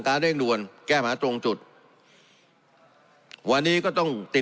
ดำเน็งการด้วยเร่งดวน